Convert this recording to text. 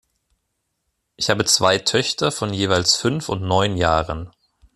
Ich habe zwei Töchter von jeweils fünf und neun Jahren.